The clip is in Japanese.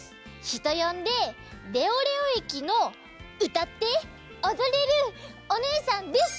ひとよんで「レオレオえきのうたっておどれるおねえさん」です。